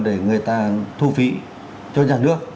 để người ta thu phí cho nhà nước